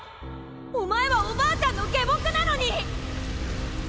お前はおばあちゃんの下僕なのに！